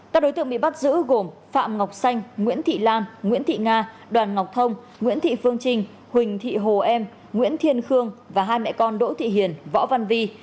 các đối tượng bị bắt giữ gồm phạm ngọc xanh nguyễn thị lan nguyễn thị nga đoàn ngọc thông nguyễn thị phương trinh huỳnh thị hồ em nguyễn thiên khương và hai mẹ con đỗ thị hiền võ văn vi